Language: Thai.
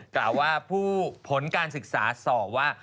กล่าวว่าผู้ผลการศึกษาสอบว่า